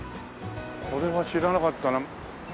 これは知らなかったな。